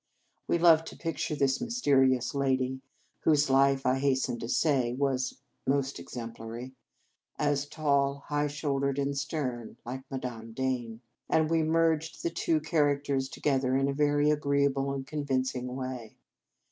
We loved to picture this mysterious lady whose life, I hasten to say, was most exemplary as tall, high shouldered, and stern, like Madame Dane; and we merged the two char acters together in a very agreeable and convincing way.